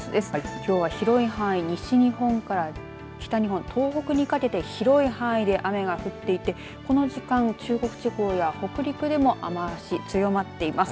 きょうは広い範囲西日本から北日本、東北にかけて広い範囲で雨が降っていてこの時間、中国地方や北陸でも雨足が強まっています。